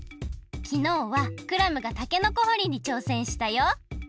きのうはクラムがたけのこ掘りにちょうせんしたよ。